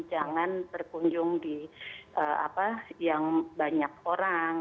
jangan terkunjung di yang banyak orang